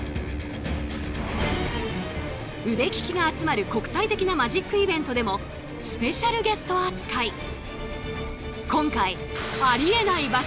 腕利きが集まる国際的なマジックイベントでもスペシャルゲスト扱い！